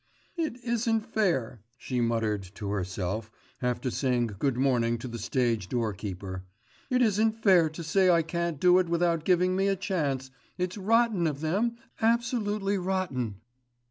"It isn't fair," she muttered to herself after saying good morning to the stage doorkeeper, "it isn't fair to say I can't do it without giving me a chance. It's rotten of them, absolutely rotten."